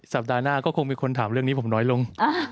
สัปดาห์หน้าก็คงมีคนถามเรื่องนี้ผมน้อยลง